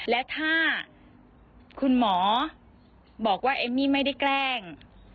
และถ้าคุณหมอบอกว่าเอมมี่ไม่ได้แกล้ง